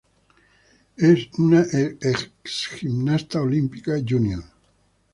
Es una ex gimnasta olímpica junior.